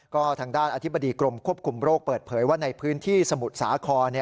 ก็ทางด้านอธิบดีกรมควบคุมโรคเปิดเผยว่าในพื้นที่สมุทรสาคร